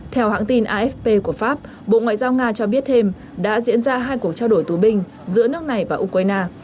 theo hãng tin afp của pháp bộ ngoại giao nga cho biết thêm đã diễn ra hai cuộc trao đổi tù binh giữa nước này và ukraine